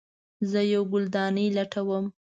زه یوه ګلدانۍ لټوم